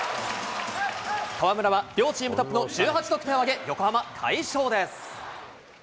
河村は両チームトップの１８得点を挙げ、横浜、快勝です。